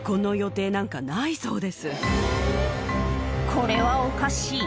これはおかしい！